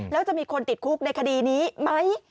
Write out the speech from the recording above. แล้วจะมีคนติดคุกในคดีนี้ไหม